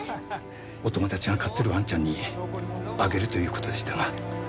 お友達が飼ってるワンちゃんにあげるという事でしたが。